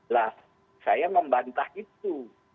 lah saya membantah itu